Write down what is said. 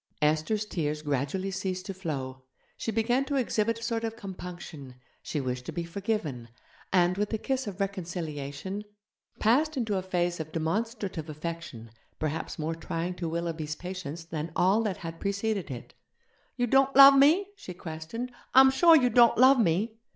Esther's tears gradually ceased to flow, she began to exhibit a sort of compunction, she wished to be forgiven, and, with the kiss of reconciliation, passed into a phase of demonstrative affection perhaps more trying to Willoughby's patience than all that had preceded it. 'You don't love me?' she questioned, 'I'm sure you don't love me?'